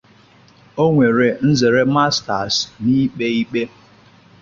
O nwere nzere Masters n'ikpe ikpe.